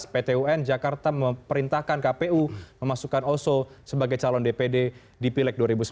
pt un jakarta memerintahkan kpu memasukkan oso sebagai calon dpd di pileg dua ribu sembilan belas